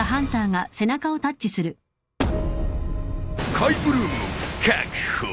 カイブルーム確保。